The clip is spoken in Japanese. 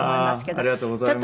ありがとうございます。